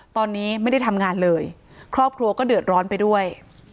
ตอนนี้ไม่ได้ทำงานเลยครอบครัวก็เดือดร้อนไปด้วย